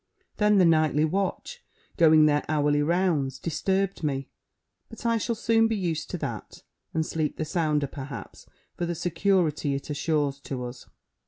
Then the nightly watch, going their hourly rounds, disturbed me. But I shall soon be used to that, and sleep the sounder, perhaps, for the security it assures to us.